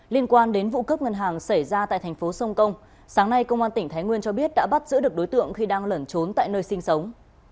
liên quan đến vụ cướp ngân hàng xảy ra tại thành phố sông công sáng nay công an tỉnh thái nguyên cho biết đã bắt giữ được đối tượng khi đang lẩn trốn tại nơi sinh sống